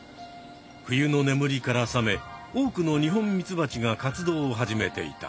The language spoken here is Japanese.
冬のねむりから覚め多くのニホンミツバチが活動を始めていた。